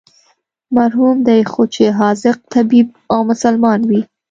محرم دى خو چې حاذق طبيب او مسلمان وي.